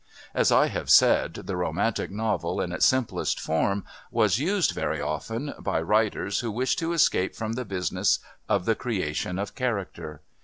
As I have said, the Romantic novel, in its simplest form, was used, very often, by writers who wished to escape from the business of the creation of character.